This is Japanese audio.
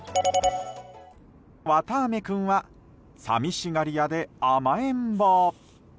わたあめ君は寂しがり屋で甘えん坊。